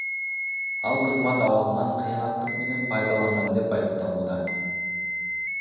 Ал кызмат абалынан кыянаттык менен пайдаланган деп айыпталууда.